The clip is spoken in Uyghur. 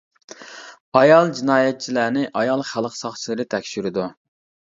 ئايال جىنايەتچىلەرنى ئايال خەلق ساقچىلىرى تەكشۈرىدۇ.